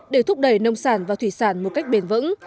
để thúc đẩy nông sản và thủy sản một cách bền vững